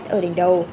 ở đỉnh đầu